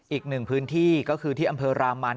อีกหนึ่งพื้นที่ก็คือที่อำเภอรามัน